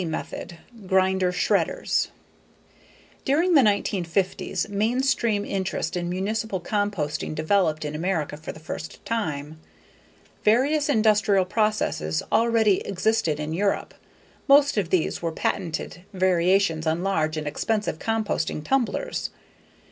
Method Grinder/Shredders During the 1950s, mainstream interest in municipal composting developed in America for the first time. Various industrial processes already existed in Europe; most of these were patented variations on large and expensive composting tumblers.